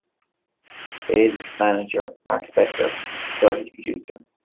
Baez' manager, Mark Spector, served as producer.